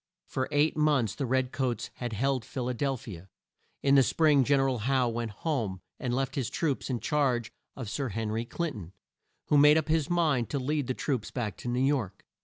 For eight months the red coats had held Phil a del phi a. In the spring Gen er al Howe went home, and left his troops in charge of Sir Hen ry Clin ton, who made up his mind to lead the troops back to New York.